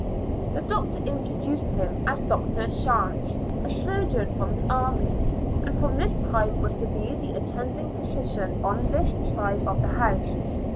Tbe doctor introduced bim as Dr. Sbantz, a surgeon from tbe army, and from tbis time was to be tbe attending pbysician on tbis side of tbe bouse.